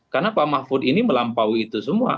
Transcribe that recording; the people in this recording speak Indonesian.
karena pak mahfud ini melampaui itu semua